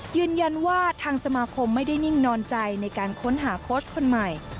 ยืนยันว่าทางสมาคมไม่ได้นิ่งนอนใจในการค้นหาโค้ชคนใหม่